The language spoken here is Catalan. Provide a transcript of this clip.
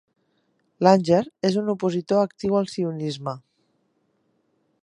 Langer és un opositor actiu al Sionisme.